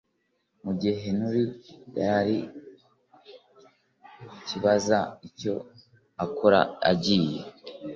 mu gihe Henry yari icyibaza icyo yakora yagiye